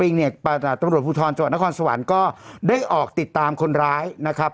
จริงเนี่ยตำรวจภูทรจังหวัดนครสวรรค์ก็ได้ออกติดตามคนร้ายนะครับ